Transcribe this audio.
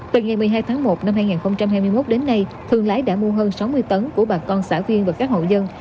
từ ngày một mươi hai tháng một năm hai nghìn hai mươi một đến nay thương lái đã mua hơn sáu mươi tấn của bà con xã viên và các hậu dân